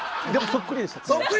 そっくりでした？